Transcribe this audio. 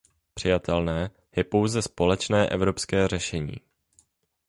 Přijatelné je pouze společné evropské řešení.